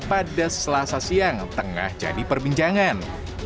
pada selasa siang tengah jadi perbincangan